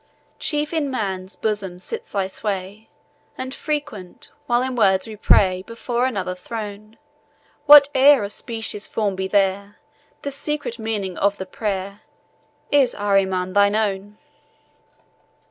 Chief in Man's bosom sits thy sway, And frequent, while in words we pray Before another throne, Whate'er of specious form be there, The secret meaning of the prayer Is, Ahriman, thine own.